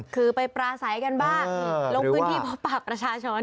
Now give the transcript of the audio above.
คือไปปราศัยกันบ้างลงพื้นที่พบปากประชาชน